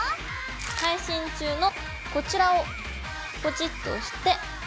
配信中のこちらをポチッと押して。